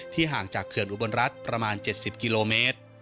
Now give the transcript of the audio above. ห่างจากเขื่อนอุบลรัฐประมาณ๗๐กิโลเมตร